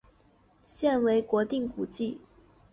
现为国定古迹。